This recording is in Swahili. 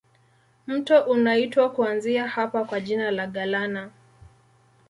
Mto unaitwa kuanzia hapa kwa jina la Galana.